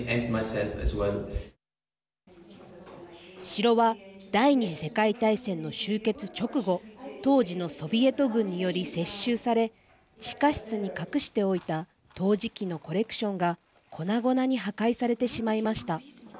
城は第２次世界大戦の終結直後当時のソビエト軍により接収され地下室に隠しておいた陶磁器のコレクションが粉々に破壊されてしまいました。